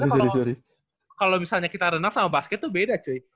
soalnya kalo misalnya kita berenang sama basket tuh beda cuy